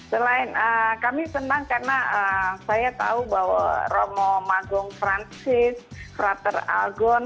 selain kami senang karena saya tahu bahwa romo magong francis fruter algon